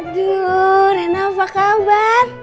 cuk rena apa kabar